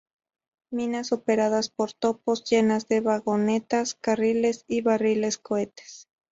Minas operadas por topos, llenas de vagonetas, carriles y barriles cohetes.